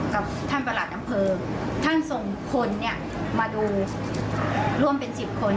กับท่านประหลัดอำเภอท่านส่งคนเนี่ยมาดูร่วมเป็นสิบคน